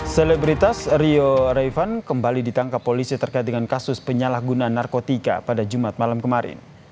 selebritas rio raivan kembali ditangkap polisi terkait dengan kasus penyalahgunaan narkotika pada jumat malam kemarin